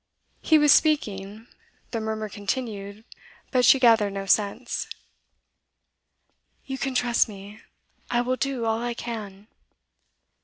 He was speaking; the murmur continued; but she gathered no sense. 'You can trust me, I will do all I can.